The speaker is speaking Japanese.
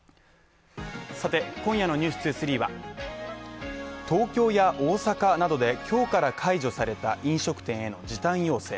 今夜の「ｎｅｗｓ２３」は東京や大阪などで今日から解除された飲食店への時短要請。